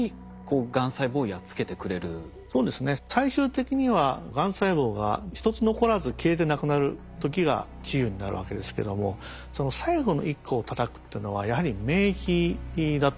最終的にはがん細胞が一つ残らず消えてなくなる時が治癒になるわけですけどもその最後の一個をたたくっていうのはやはり免疫だと思います。